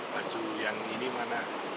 panju yang ini mana